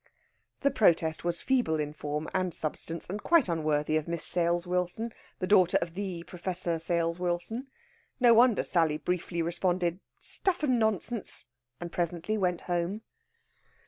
The protest was feeble in form and substance, and quite unworthy of Miss Sales Wilson, the daughter of the Professor Sales Wilson. No wonder Sally briefly responded, "Stuff and nonsense!" and presently went home.